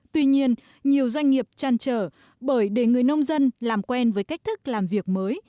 tuy nhiên nhiều doanh nghiệp chăn trở bởi để người nông dân làm quen với cách thức làm việc mới